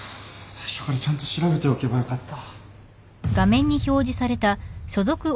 最初からちゃんと調べておけばよかった。